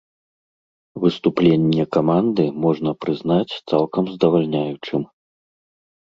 Выступленне каманды можна прызнаць цалкам здавальняючым.